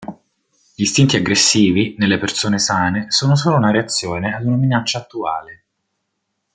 Gli istinti aggressivi, nelle persone sane, sono solo una reazione ad una minaccia attuale.